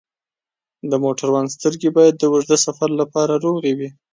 د موټروان سترګې باید د اوږده سفر لپاره روغې وي.